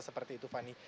seperti itu fani